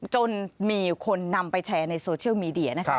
จนมีคนนำไปแชร์ในโซเชียลมีเดียนะคะ